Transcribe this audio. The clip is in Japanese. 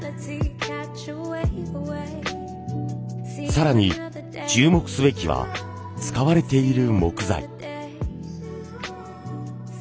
更に注目すべきは使われている木材。